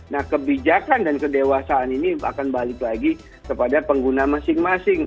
nah kebijakan dan kedewasaan ini akan balik lagi kepada pengguna masing masing